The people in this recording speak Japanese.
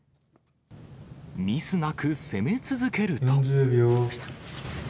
ミスなく攻め続けると。